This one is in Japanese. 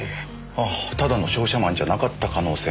ああただの商社マンじゃなかった可能性もあると。